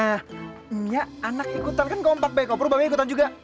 nah ya anak ikutan kan kompak be kok perlu babe ikutan juga